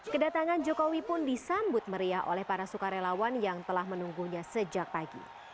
kedatangan jokowi pun disambut meriah oleh para sukarelawan yang telah menunggunya sejak pagi